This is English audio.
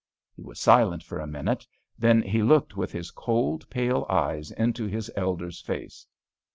He was silent for a minute; then he looked with his cold, pale eyes into his elder's face.